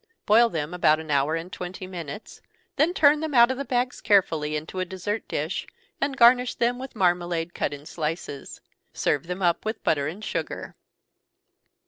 Boil them about an hour and twenty minutes, then turn them out of the bags carefully into a dessert dish, and garnish them with marmalade cut in slices. Serve them up with butter and sugar.